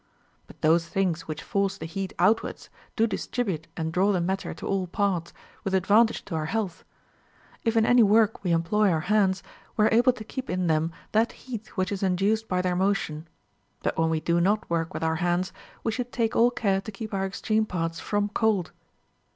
But those things which force the heat outwards do distribute and draw the matter to all parts, with advantage to our health. If in any work we employ our hands, we are able to keep in them that heat which is * Odjss. IV. 392. RULES FOR THE PRESERVATION OF HEALTH. 253 induced by their motion. But when we do not work with our hands, we shoukl take all care to keep our extreme parts from cold.